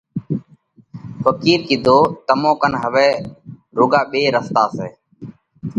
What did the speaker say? ڦقِير ڪِيڌو: تمون ڪنَ هوَئہ رُوڳا ٻي رستا سئہ۔